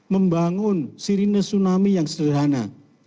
membangun sirine tsunami yang sederhana